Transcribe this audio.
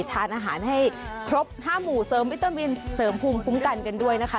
ทานอาหารให้ครบ๕หมู่เสริมวิตามินเสริมภูมิคุ้มกันกันด้วยนะคะ